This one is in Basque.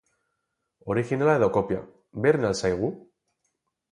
Orijinala edo kopia, berdin al zaigu?